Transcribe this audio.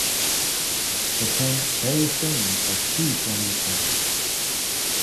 The ten hairy stamens are free from each other.